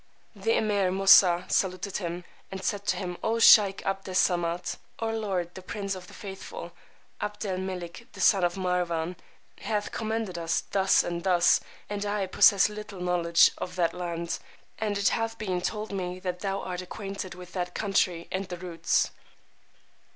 The Emeer Moosà saluted him, and said to him, O sheykh 'Abd Es Samad, our lord the Prince of the Faithful, Abd El Melik the son of Marwán, hath commanded us thus and thus, and I possess little knowledge of that land, and it hath been told me that thou art acquainted with that country and the routes.